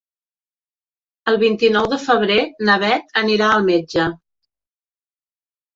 El vint-i-nou de febrer na Bet anirà al metge.